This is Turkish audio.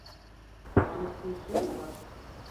Yanlış bir şey mi var?